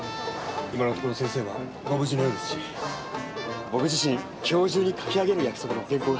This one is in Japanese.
今のところ先生はご無事のようですし僕自身今日中に書き上げる約束の原稿が。